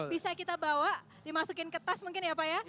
bisa kita bawa dimasukin ke tas mungkin ya pak ya